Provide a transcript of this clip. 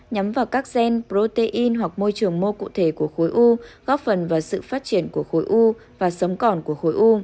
nhắm vào các gen protein hoặc môi trường mô cụ thể của khối u góp phần vào sự phát triển của khối u và sống còn của khối u